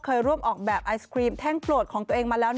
เคยร่วมออกแบบไอศครีมแท่งโปรดของตัวเองมาแล้ว